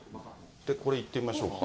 これいってみましょうか。